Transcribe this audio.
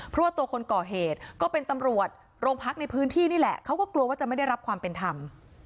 เพราะว่าตัวคนก่อเหตุก็เป็นตำรวจโรงพักในพื้นที่นี่แหละเขาก็กลัวว่าจะไม่ได้รับความเป็นธรรม